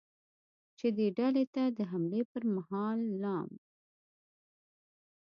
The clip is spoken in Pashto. چې دې ډلې ته د حملې پرمهال ل